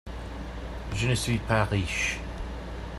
Je ne suis pas riche.